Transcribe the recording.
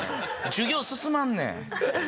授業進まんねん。